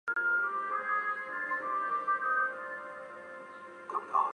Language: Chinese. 在游戏萤幕的最底部会显示目前所收集到的公仔数量。